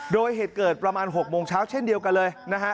โดยเหตุเกิดประมาณ๖โมงเช้าเช่นเดียวกันเลยนะฮะ